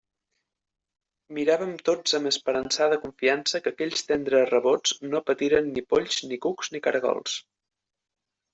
Miràvem tots amb esperançada confiança que aquells tendres rebrots no patiren ni polls ni cucs ni caragols.